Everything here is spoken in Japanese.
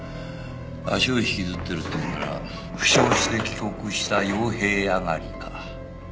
足を引きずってるっていうなら負傷して帰国した傭兵上がりか。